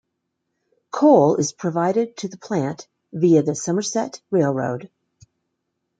Coal is provided to the plant via the Somerset Railroad.